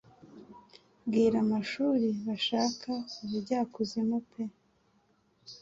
Bwira amashuri bashaka ubujyakuzimu pe